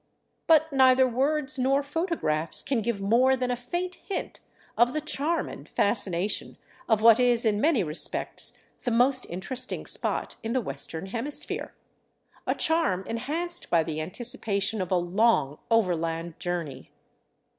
But neither words nor photographs can give more than a faint hint of the charm and fascination of what is in many respects the most interesting spot in the Western Hemisphere, a charm enhanced by the anticipation of a long overland journey.